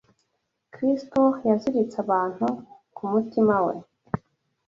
Kristo yaziritse abantu ku mutima we